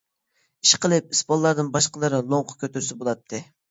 ئىشقىلىپ ئىسپانلاردىن باشقىلىرى لوڭقا كۆتۈرسە بولاتتى.